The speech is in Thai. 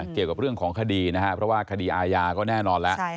เกี่ยวกับเรื่องของคดีนะครับเพราะว่าคดีอาญาก็แน่นอนแล้ว